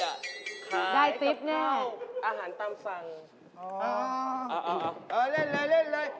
ได้กับข้าวกับข้าวอาหารตามสั่งอ่าเอาเอาเล่นเลย